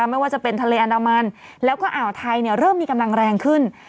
ไม่ว่าจะเป็นทะเลอันดามันแล้วก็อ่าวไทยเริ่มมีกำลังแรงขึ้น